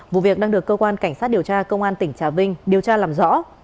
vụ việc đang được cơ quan cảnh sát điều tra công an tỉnh trà vinh điều tra làm rõ